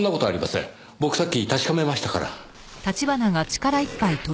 僕さっき確かめましたから。